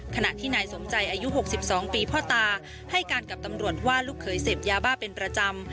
ขณะที่นายสมใจอายุ๖๒ปีพ่อตาให้การกับตำรวจว่าลูกเคยเสพยาบ้าเป็นประจำ